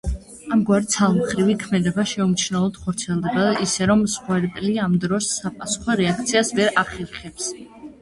ამგვარი ცალმხრივი ქმედება შეუმჩნევლად ხორციელდება ისე, რომ მსხვერპლი ამ დროს საპასუხო რეაქციას ვერ ახერხებს.